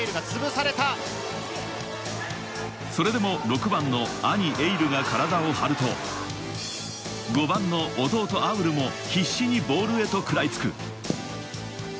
それでも６番の兄・瑛琉が体を張ると、５番の弟・侑潤も必死にボールへと食らいつく。